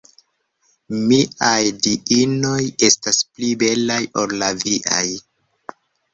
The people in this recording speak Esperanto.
Miaj Diinoj estas pli belaj ol la viaj.